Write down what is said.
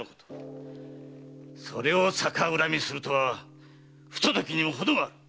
それを逆恨みするとは不届きにもほどがある！